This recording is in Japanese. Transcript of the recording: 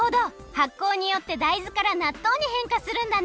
はっこうによって大豆からなっとうにへんかするんだね。